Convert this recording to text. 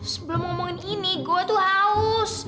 sebelum ngomongin ini gue tuh haus